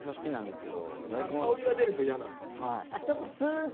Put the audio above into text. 香りが出ると嫌なんだ。